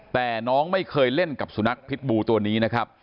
แต่น้องไม่เคยเล่นกับสุนัขพิษบูตัวนี้นะครับ